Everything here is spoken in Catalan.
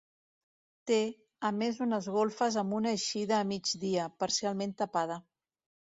Té, a més unes golfes amb una eixida a migdia, parcialment tapada.